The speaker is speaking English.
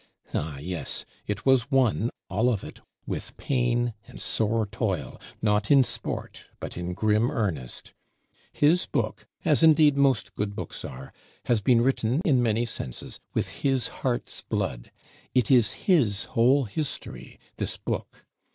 Ah yes, it was won, all of it, with pain and sore toil, not in sport, but in grim earnest. His Book, as indeed most good Books are, has been written, in many senses, with his heart's blood. It is his whole history, this Book.